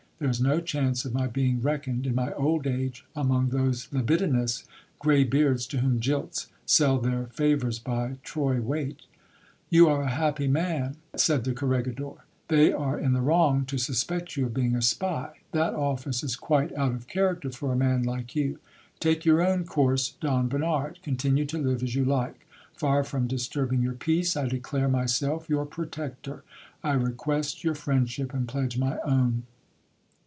There is no chance of my being reckoned, in my old age, among those libidinous grey beards to whom jilts sell their favours by troy weight You are a happy man ! said the corregidor. They are in the wrong to sus pect you of being a spy : that office is quite out of character for a man like you. Take your own course, Don Bernard : continue to live as you like. Far from disturbing your peace, I declare myself your protector ; I request your friend ship, and pledge my own.